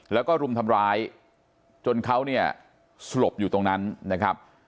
แล้วก็รุมทำร้ายจนเขาเนี่ยสลบอยู่ตรงนั้นนะครับ